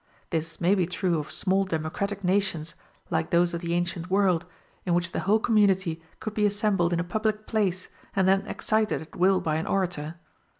This may be true of small democratic nations, like those of the ancient world, in which the whole community could be assembled in a public place and then excited at will by an orator.